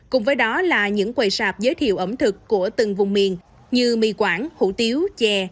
cùng với đó là những quầy sạp giới thiệu ẩm thực của từng vùng miền như mì quảng hủ tiếu chè